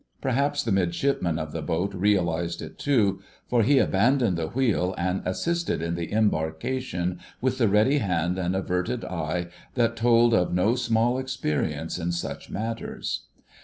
Perhaps the Midshipman of the boat realised it too, for he abandoned the wheel and assisted in the embarkation with the ready hand and averted eye that told of no small experience in such matters.